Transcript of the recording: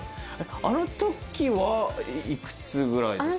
あのときは幾つぐらいですか？